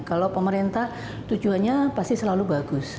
kalau pemerintah tujuannya pasti selalu bagus